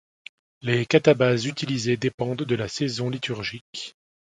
Les catabases utilisées dépendent de la saison liturgique.